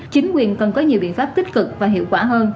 chính quyền cần có nhiều biện pháp tích cực và hiệu quả hơn